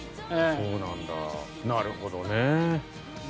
そうなんだ、なるほどね。